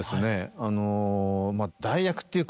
あの代役っていうか。